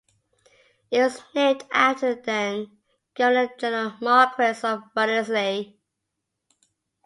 It was named after the then Governor General Marquis of Wellesley.